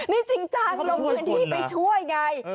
นี่จริงจังลงพื้นที่ไปช่วยไง